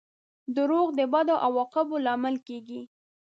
• دروغ د بدو عواقبو لامل کیږي.